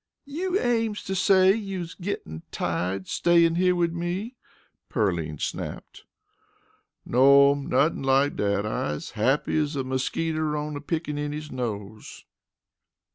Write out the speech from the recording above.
"You aims to say you's gittin' tired stayin' here wid me?" Pearline snapped. "No'm. Nothin' like dat. I's happy as a mosquiter on a pickaninny's nose."